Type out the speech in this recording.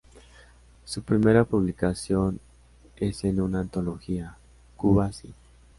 Su primera publicación es en una antología —"Cuba sí.